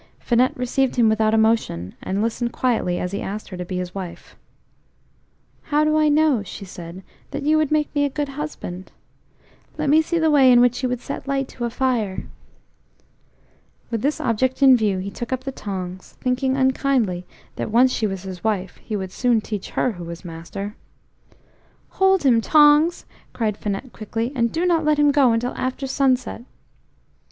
Finette received him without emotion, and listened quietly as he asked her to be his wife. "How do I know," she said, "that you would make me a good husband? Let me see the way in which you would set light to a fire." With this object in view he took up the tongs, thinking unkindly that once she was his wife, he would soon teach her who was master. "Hold him, tongs," cried Finette quickly, "and do not let him go until after sunset."